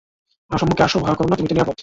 সম্মুখে আস, ভয় করো না, তুমি তো নিরাপদ।